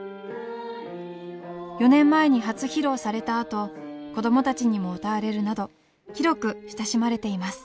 ４年前に初披露されたあと子どもたちにも歌われるなど広く親しまれています。